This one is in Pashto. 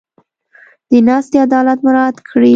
د ناستې عدالت مراعت کړي.